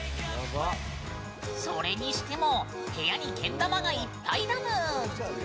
それにしても部屋にけん玉がいっぱいだぬーん！